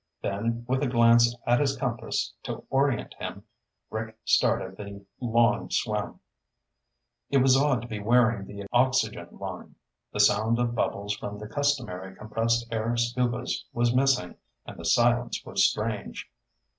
Then, with a glance at his compass to orient him, Rick started the long swim. It was odd to be wearing the oxygen lung. The sound of bubbles from the customary compressed air Scubas was missing, and the silence was strange.